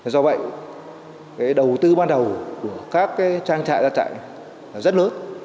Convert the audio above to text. do vậy đầu tư ban đầu của các trang trại gia trại rất lớn